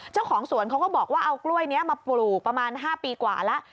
เจ้าของสวนเขาก็บอกว่าเอากล้วยนี้มาปลูกประมาณ๕ปีกว่าแล้ว